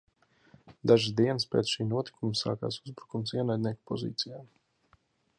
Dažas dienas pēc šī notikuma sākās uzbrukums ienaidnieka pozīcijām.